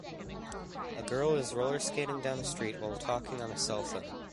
A girl is rollerskating down a street while talking on a cellphone.